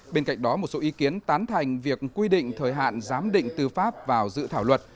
bên cạnh đó một số ý kiến tán thành việc quy định thời hạn giám định tư pháp vào dự thảo luật